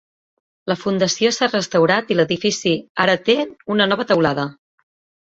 La fundació s"ha restaurat i l"edifici ara té una nova teulada.